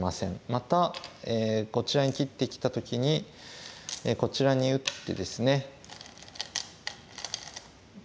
またこちらに切ってきた時にこちらに打ってですね。